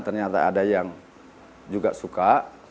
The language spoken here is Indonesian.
ternyata ada yang juga suka